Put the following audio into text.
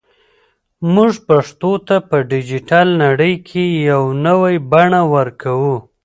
موږ پښتو ته په ډیجیټل نړۍ کې یو نوی بڼه ورکوو.